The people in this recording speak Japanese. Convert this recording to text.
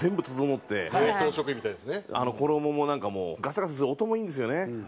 衣もなんかもうガサガサする音もいいんですよね。